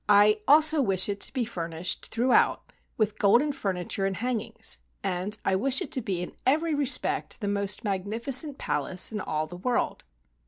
I also wish it to be furnished throughout with golden furniture and hangings, and I wish it to be in every respect the most magnificent palace in all the world."